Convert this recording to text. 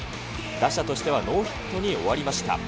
打者としてはノーヒットに終わりました。